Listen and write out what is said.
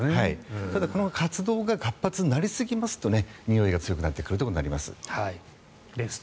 ただ、この活動が活発になりすぎますとにおいが強くなってくるということになります。ですって。